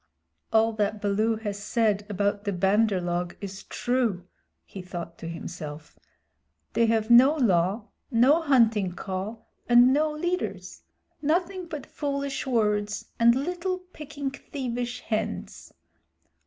"All that Baloo has said about the Bandar log is true," he thought to himself. "They have no Law, no Hunting Call, and no leaders nothing but foolish words and little picking thievish hands.